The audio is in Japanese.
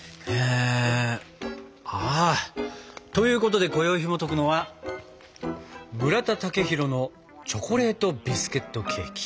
ああ！ということでこよいひもとくのは村田雄浩のチョコレートビスケットケーキ。